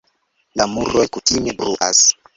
La muroj kutime bruas.